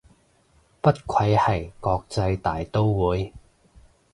不愧係國際大刀會